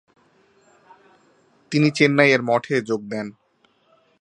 তিনি চেন্নাইয়ের মঠে যোগ দেন।